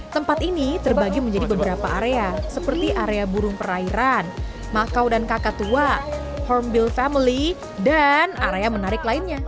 tempat ini terbagi menjadi beberapa area seperti area burung perairan makau dan kakatua horm build family dan area menarik lainnya